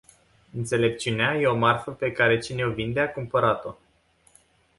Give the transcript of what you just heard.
Înțelepciunea e o marfă pe care cine o vinde a cumpărat-o.